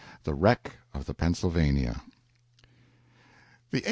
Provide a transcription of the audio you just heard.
XV. THE WRECK OF THE "PENNSYLVANIA" The "A.